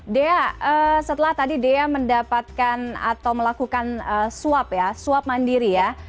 dea setelah tadi dea mendapatkan atau melakukan swab ya swab mandiri ya